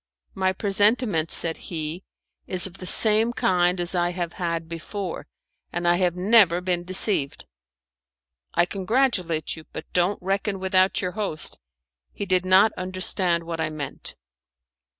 "My presentiment," said he, "is of the same kind as I have had before, and I have never been deceived." "I congratulate you, but don't reckon without your host." He did not understand what I meant.